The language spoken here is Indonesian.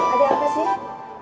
ada apa sih